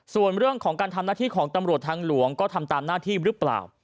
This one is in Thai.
ส่วนเรื่องของการทำหน้าที่ของตำรวจทางหลวงก็ทำตามหน้าที่หรือเปล่า